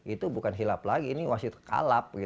itu bukan hilap lagi ini wasit kalap